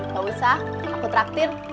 gak usah aku traktir